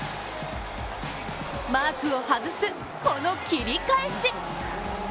マークを外す、この切り返し！